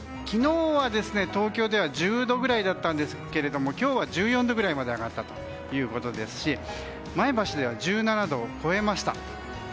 昨日は東京では１０度ぐらいだったんですが今日は１４度ぐらいまで上がったということですし前橋では１７度を超えました。